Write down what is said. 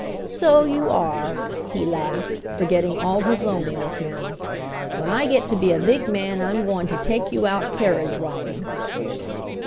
"So you are," he laughed, forgetting all his loneliness now. "When I get to be a big man I'm goin' to take you out carriage riding."